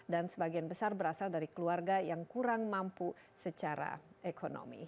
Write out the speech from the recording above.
dan sebagian besar berasal dari keluarga yang kurang mampu secara ekonomi